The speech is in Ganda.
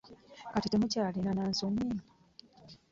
Kati temukyalina na nsonyi?